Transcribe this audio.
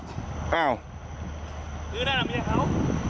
คือได้รับเมียเขา